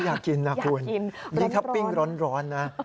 อยากกินนะคุณยิ่งถ้าปิ้งร้อนนะ